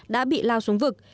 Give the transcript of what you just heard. đã bị lao xuống vực